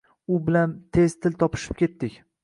Ular bilan tez til topishib ketdik